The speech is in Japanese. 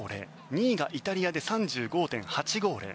２位がイタリアで３５．８５０。